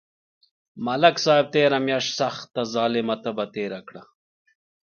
ملک صاحب تېره میاشت سخته ظلمه تبه تېره کړه.